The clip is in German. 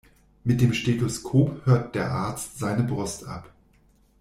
Mit dem Stethoskop hört der Arzt seine Brust ab.